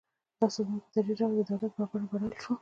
دا سازمان په تدریجي ډول د دولت په بڼه بدل شو.